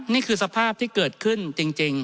นี่คือสภาพที่เกิดขึ้นจริง